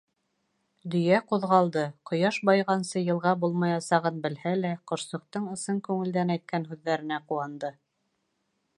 Дөйә ҡуҙғалды, ҡояш байығансы йылға булмаясағын белһә лә, ҡошсоҡтоң ысын күңелдән әйткән һүҙҙәренә ҡыуанды.